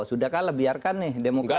sudah kalah biarkan nih demokrasi